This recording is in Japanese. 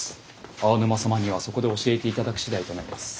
青沼様にはそこで教えて頂く次第となります。